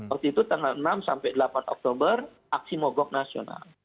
waktu itu tanggal enam sampai delapan oktober aksi mogok nasional